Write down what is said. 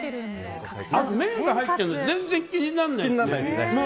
あと麺が入ってるの全然気にならないですね。